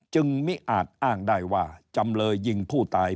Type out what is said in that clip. จึงมิอาจอ้างได้ว่าจำเลยยิงผู้ตาย